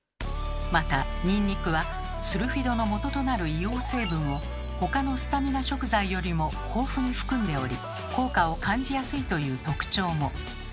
またニンニクはスルフィドのもととなる硫黄成分を他のスタミナ食材よりも豊富に含んでおり効果を感じやすいという特徴も。